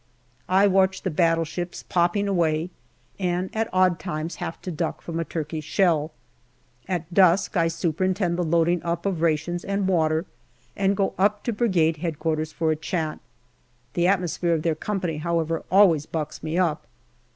I watch the battleships pooping away, and at odd times have to duck from a Turkish shell. At dusk I superintend SEPTEMBER 227 the loading up of rations and water, and go up to Brigade H.O. for a chat. The atmosphere of their company, however, always bucks me up.